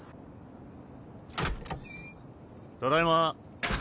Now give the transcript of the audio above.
ただいま。